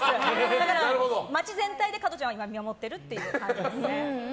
だから町全体で加トちゃんを見守ってるっていう感じですね。